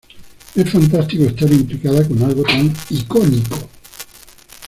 Es fantástico estar implicada con algo tan icónico.